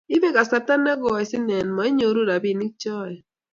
Ibe kasarta ne goi sinen muinyoru robinik choe